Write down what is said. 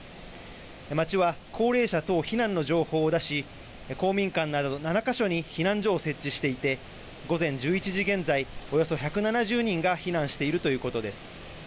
町は高齢者等避難の情報を出し、公民館など７か所に避難所を設置していて午前１１時現在およそ１７０人が避難しているということです。